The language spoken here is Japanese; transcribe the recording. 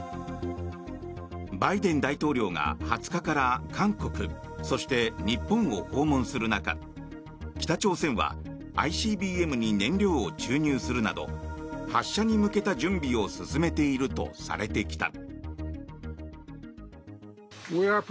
バイデン大統領が２０日から韓国、そして日本を訪問する中北朝鮮はＩＣＢＭに燃料を注入するなど発射に向けた準備を進めているとされてきた。